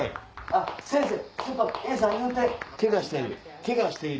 あっ先生。